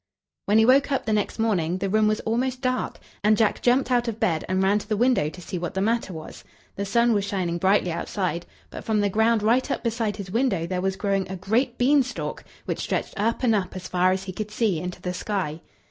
When he woke up the next morning, the room was almost dark; and Jack jumped out of bed and ran to the window to see what was the matter. The sun was shining brightly outside, but from the ground right up beside his window there was growing a great beanstalk, which stretched up and up as far as he could see, into the sky.